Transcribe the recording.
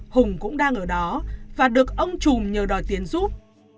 hùng cũng đang ở đó và được ông chùm nhờ đòi tiền giúp